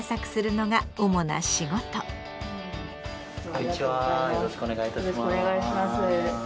こんにちはよろしくお願いいたします。